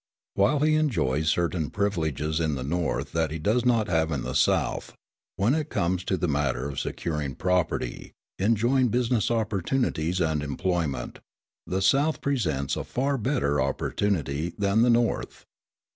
While he enjoys certain privileges in the North that he does not have in the South, when it comes to the matter of securing property, enjoying business opportunities and employment, the South presents a far better opportunity than the North.